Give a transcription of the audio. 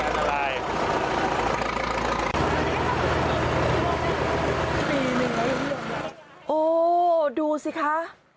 โอ้โหดูสิคะ